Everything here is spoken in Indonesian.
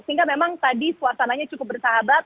sehingga memang tadi suasananya cukup bersahabat